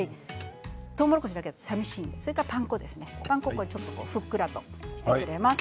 とうもろこしだけだと寂しいのでそれからパン粉ふっくらとしてくれます。